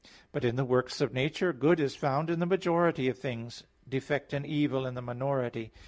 But in the works of nature, good is found in the majority of things; defect and evil in the minority.